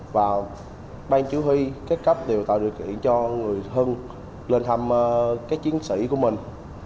và ban chỉ huy các cấp đều tạo điều kiện cho người thân lên thăm các chiến sĩ của mình